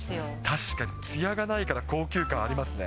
確かに、つやがないから、高級感ある。